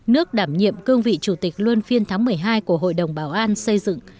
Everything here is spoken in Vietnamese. nước đảm nhiệm cương vị chủ tịch luân phiên tháng một mươi hai của hội đồng bảo an xây dựng